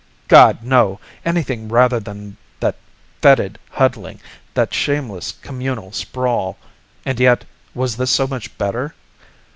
_God, no! Anything rather than that fetid huddling, that shameless communal sprawl. And yet, was this so much better?